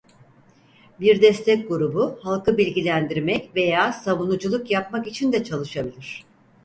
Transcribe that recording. Bir destek grubu halkı bilgilendirmek veya savunuculuk yapmak için de çalışabilir.